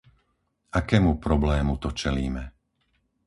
Akému problému to čelíme?